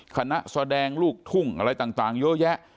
คณะแสดงลูกทุ่งอะไรต่างเยอะแยะ